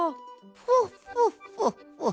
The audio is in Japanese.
フォッフォッフォッフォッ。